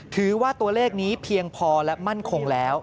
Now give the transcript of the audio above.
ถือว่าตัวเลขนี้เพียงพอและมั่นคงแล้ว